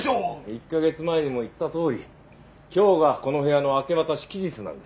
１カ月前にも言ったとおり今日がこの部屋の明け渡し期日なんです。